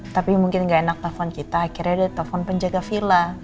tapi mungkin nggak enak telepon kita akhirnya ada telepon penjaga villa